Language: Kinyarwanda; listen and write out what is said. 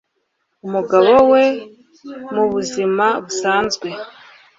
Umugabo we mubuzima busanzwe